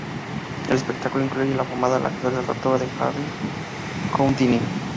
El espectáculo incluye la afamada "La Celda de tortura de Agua" de Harry Houdini.